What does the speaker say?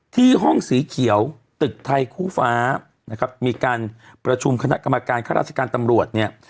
ที่ห้องสีเขียวตึกไทยคู่ฟ้านะครับมีการประชุมคณะกรรมการข้าราชการตำรวจเนี่ย